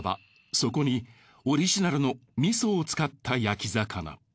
そこにオリジナルの味噌を使った焼き魚。